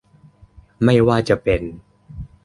ไม่ว่าจะเป็น